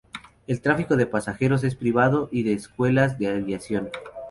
El tráfico de pasajeros es privado y de escuelas de aviación.